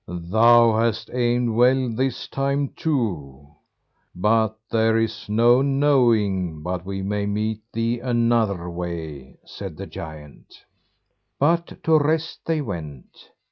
"Thou hast aimed well this time too; but there is no knowing but we may meet thee another way," said the giant. But to rest they went.